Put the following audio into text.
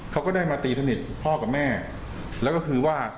เขาก็ได้มาตีสนิทพ่อกับแม่แล้วก็คือว่า